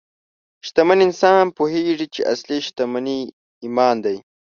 شتمن انسان پوهېږي چې اصلي شتمني ایمان دی.